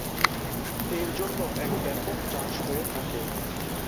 এর জন্য এর ব্যাপক চাষ হয়ে থাকে।